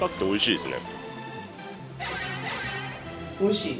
おいしい！